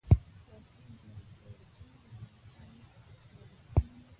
د احمد د ناکړدو له لاسه مې زړه شين دی.